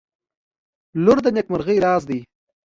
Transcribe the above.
• لور د نیکمرغۍ راز دی.